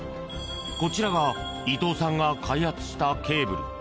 こちらが伊藤さんが開発したケーブル。